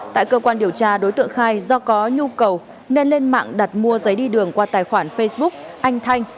tại cơ quan điều tra đối tượng khai do có nhu cầu nên lên mạng đặt mua giấy đi đường qua tài khoản facebook anh thanh